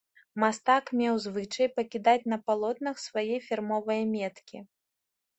Мастак меў звычай пакідаць на палотнах свае фірмовыя меткі.